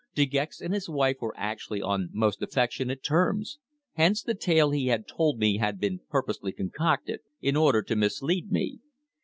De Gex and his wife were actually on most affectionate terms, hence the tale he had told had been purposely concocted, in order to mislead me.